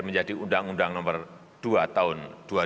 menjadi undang undang nomor dua tahun dua ribu dua